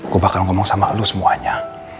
gua bakal ngomong sama lu semuanya